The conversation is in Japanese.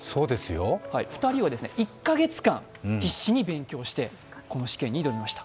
２人は１カ月間、必死に勉強して試験に挑みました。